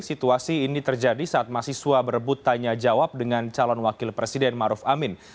situasi ini terjadi saat mahasiswa berebut tanya jawab dengan calon wakil presiden maruf amin